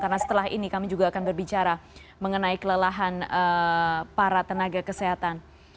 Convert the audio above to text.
karena setelah ini kami juga akan berbicara mengenai kelelahan para tenaga kesehatan